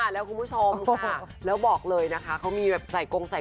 แล้วความว่ำแล้วบอกเลยนะคะเค้ามีแบบใส่คงใส่